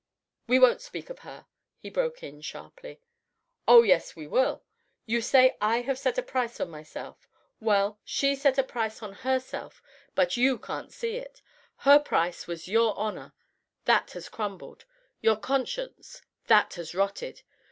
"We won't speak of her," he broke in, sharply. "Oh yes, we will You say I have set a price on myself. Well, she set a price on herself, but you can't see it. Her price was your honor, that has crumbled; your conscience, that has rotted.